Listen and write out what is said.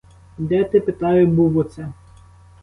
Де ти, питаю, був оце?